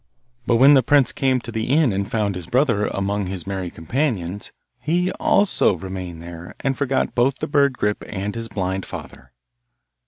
But when the prince came to the inn and found his brother among his merry companions, he also remained there and forgot both the bird Grip and his blind father.